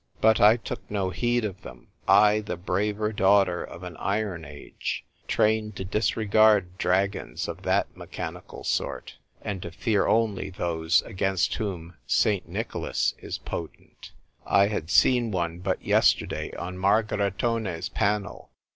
But I took no heed of them — I, the braver daughter of an iron age, trained to disregard dragons of that mechanical sort, and to fear only those against whom St. Nicholas is potent — I had seen one but yesterday on Margaritone's panel.